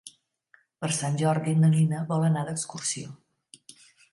Per Sant Jordi na Nina vol anar d'excursió.